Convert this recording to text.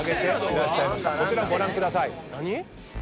こちらご覧ください。